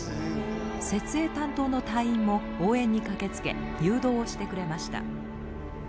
設営担当の隊員も応援に駆けつけ誘導をしてくれました。